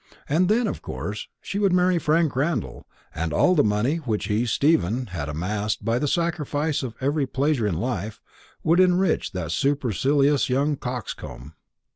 And then, of course, she would marry Frank Randall; and all the money which he, Stephen, had amassed, by the sacrifice of every pleasure in life, would enrich that supercilious young coxcomb.